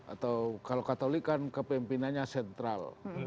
atau kalau katolik kan kepimpinannya sentral